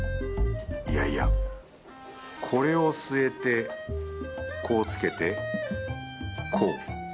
いやいやこれをすえてこうつけてこう。